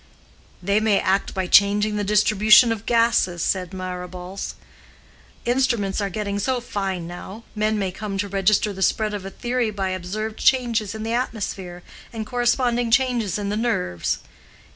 "They may act by changing the distribution of gases," said Marrables; "instruments are getting so fine now, men may come to register the spread of a theory by observed changes in the atmosphere and corresponding changes in the nerves."